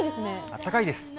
あったかいです。